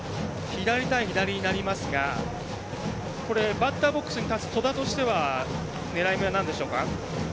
左対左になりますがバッターボックスに立つ戸田としては狙い目はなんでしょうか？